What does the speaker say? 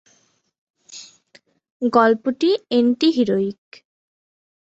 গল্পটি অ্যান্টি-হিরোইক।